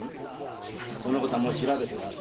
そのことはもう調べてある。